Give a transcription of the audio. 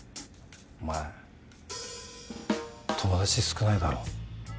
お前友達少ないだろ。